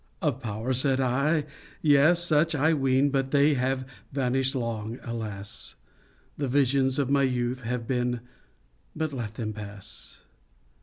Of power! said I? Yes! such I ween But they have vanished long, alas! The visions of my youth have been But let them pass.